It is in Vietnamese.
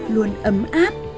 luôn ấm áp